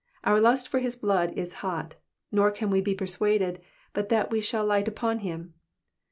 Our lust for his blood is hot, nor can we be persuaded but that we shall li^jht upon him."